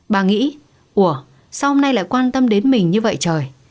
bà nghĩ ủa sao hôm nay lại quan tâm đến mình như vậy trời